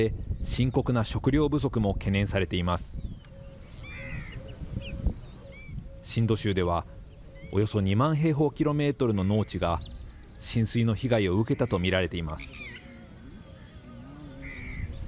シンド州では、およそ２万平方キロメートルの農地が浸水の被害を受けたと見られています。